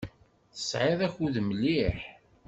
Tesɛiḍ akud mliḥ.